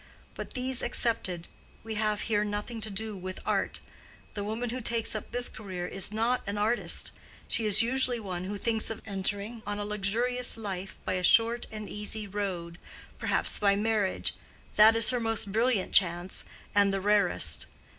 But these excepted, we have here nothing to do with art. The woman who takes up this career is not an artist: she is usually one who thinks of entering on a luxurious life by a short and easy road—perhaps by marriage—that is her most brilliant chance, and the rarest.